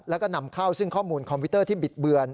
แล้วก็นำเข้าซึ่งข้อมูลคอมพิวเตอร์ที่บิดเบือน